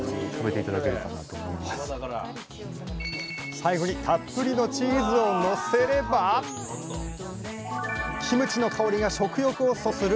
最後にたっぷりのチーズをのせればキムチの香りが食欲をそそる！